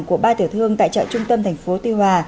của ba tiểu thương tại chợ trung tâm thành phố tuy hòa